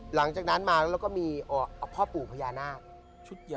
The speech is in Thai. หลังจากนั้นมาแล้วก็มีพ่อปู่พญานาค